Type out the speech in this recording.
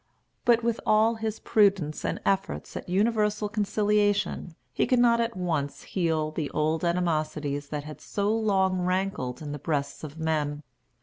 But, with all his prudence and efforts at universal conciliation, he could not at once heal the old animosities that had so long rankled in the breasts of men.